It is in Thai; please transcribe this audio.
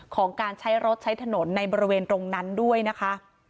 ของการใช้รถใช้ถนนในบริเวณตรงนั้นด้วยนะคะ